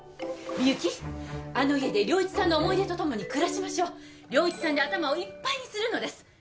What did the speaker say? みゆきあの家で良一さんの思い出とともに暮らしましょう良一さんで頭をいっぱいにするのです